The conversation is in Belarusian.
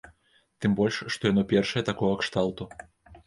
Тым больш што яно першае такога кшталту.